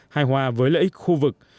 hài hòa với lợi ích khu vực